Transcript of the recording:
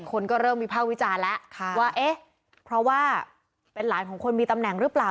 คนก็เริ่มวิภาควิจารณ์แล้วว่าเอ๊ะเพราะว่าเป็นหลานของคนมีตำแหน่งหรือเปล่า